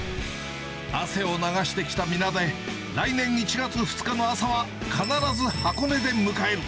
汗を流してきた皆で、来年１月２日の朝は必ず箱根で迎える。